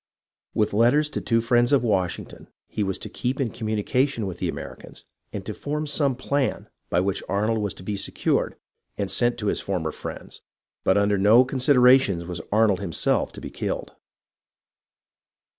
With letters to two friends of Washington, he was to keep in communication with the Americans and to form some plan by which Arnold was to be secured and sent to his former friends, but under no considerations was Arnold himself to be killed.